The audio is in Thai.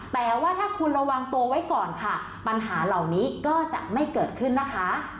แต่ว่าถ้าคุณระวังตัวไว้ก่อนค่ะปัญหาเหล่านี้ก็จะไม่เกิดขึ้นนะคะ